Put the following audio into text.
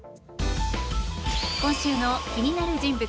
今週の気になる人物